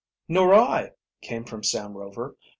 "Nor I," came from Sam Rover.